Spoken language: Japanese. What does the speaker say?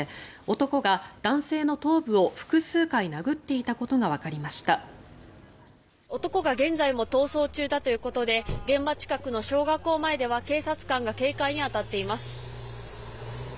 男が現在も逃走中だということで現場近くの小学校前では警察官が警戒に当たっています。